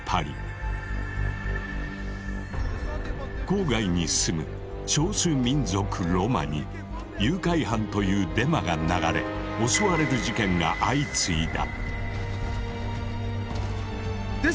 郊外に住む少数民族ロマに「誘拐犯」というデマが流れ襲われる事件が相次いだ。